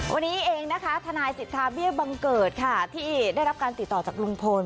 วันนี้เองนะคะทนายสิทธาเบี้ยบังเกิดค่ะที่ได้รับการติดต่อจากลุงพล